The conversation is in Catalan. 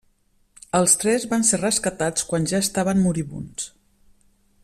Els tres van ser rescatats quan ja estaven moribunds.